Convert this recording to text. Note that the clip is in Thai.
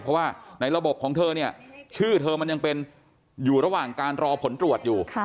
เพราะว่าในระบบชื่อเธอมันยังเป็นอยู่ระหว่างการรอผลตรวจ